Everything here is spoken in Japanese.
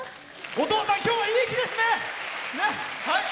お父さん今日はいい日ですね！